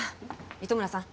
糸村さん